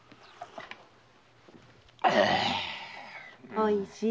おいしい？